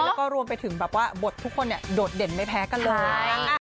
แล้วก็รวมไปถึงแบบว่าบททุกคนโดดเด่นไม่แพ้กันเลย